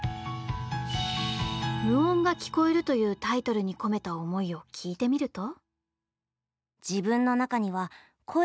「無音が聴こえる」というタイトルに込めた思いを聞いてみると。